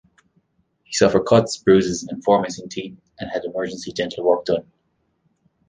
He suffered cuts, bruises, and four missing teeth and had emergency dental work done.